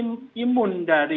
mereka tidak imun dari